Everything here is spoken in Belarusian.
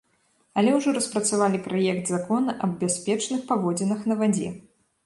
Але ўжо распрацавалі праект закона аб бяспечных паводзінах на вадзе.